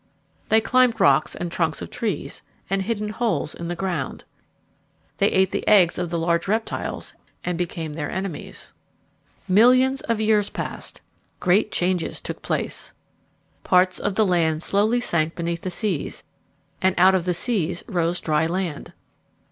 They climbed rocks and trunks of trees, and hid in holes in the ground. They ate the eggs of the large reptiles, and became their enemies. [Illustration: A reptile] Millions of years passed; great changes took place. Parts of the land slowly sank beneath the seas, and out of the seas rose dry land.